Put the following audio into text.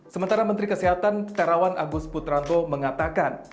sementara menteri kesehatan terawan agus putranto mengatakan